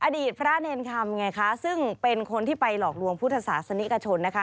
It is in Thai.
อดีตพระเนรคำไงคะซึ่งเป็นคนที่ไปหลอกลวงพุทธศาสนิกชนนะคะ